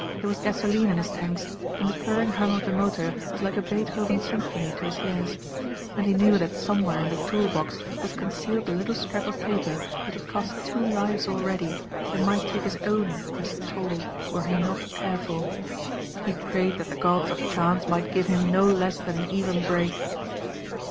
There was gasoline in his tanks and the purring hum of the motor was like a Beethoven symphony to his ears. And he knew that somewhere in the toolbox was concealed the little scrap of paper which had cost two lives already and might take his own as toll were he not careful. He prayed that the gods of chance might give him no less than an even break.